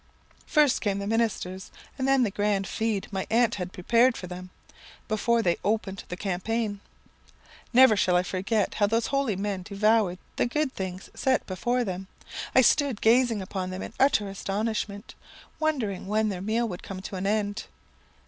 "First came the ministers, and then the grand feed my aunt had prepared for them, before they opened the campaign. Never shall I forget how those holy men devoured the good things set before them. I stood gazing upon them in utter astonishment, wondering when their meal would come to an end.